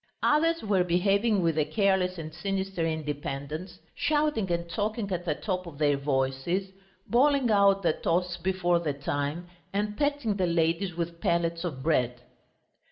Others were behaving with a careless and sinister independence, shouting and talking at the top of their voices, bawling out the toasts before the time, and pelting the ladies with pellets of bread.